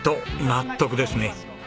納得ですね。